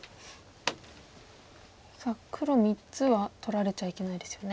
さあ黒３つは取られちゃいけないですよね。